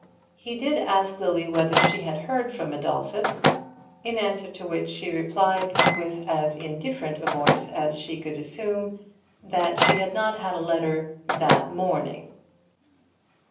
He did ask Lily whether she had heard from Adolphus, in answer to which she replied, with as indifferent a voice as she could assume, that she had not had a letter that morning.